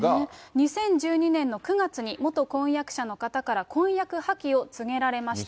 ２０１２年の９月に元婚約者の方から婚約破棄を告げられました。